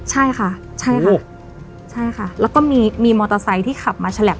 ใช่ค่ะใช่ค่ะใช่ค่ะแล้วก็มีมีมอเตอร์ไซค์ที่ขับมาฉลับ